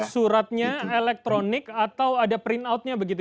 suratnya elektronik atau ada printout nya begitu